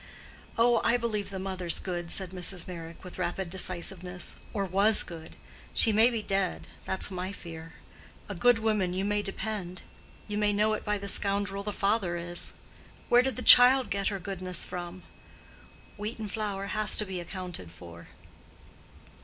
"Oh, I believe the mother's good," said Mrs. Meyrick, with rapid decisiveness; "or was good. She may be dead—that's my fear. A good woman, you may depend: you may know it by the scoundrel the father is. Where did the child get her goodness from? Wheaten flour has to be accounted for."